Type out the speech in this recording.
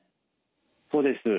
そうです。